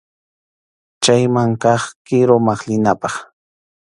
Chayman kaq kiru maqllinapaq.